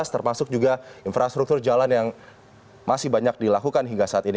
termasuk juga infrastruktur jalan yang masih banyak dilakukan hingga saat ini